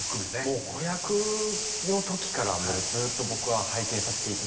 もう子役の時からずーっと僕は拝見させて頂いてるんで。